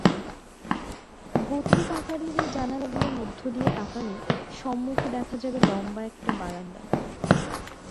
Gothic আকারের এই জানলাগুলোর মধ্য দিয়ে তাকালে সম্মুখে দেখা যাবে লম্বা একটা বারান্দা।